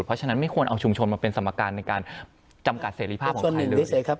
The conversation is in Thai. เพราะฉะนั้นไม่ควรเอาชุมชนมาเป็นสมการในการจำกัดเสรีภาพของใครเลย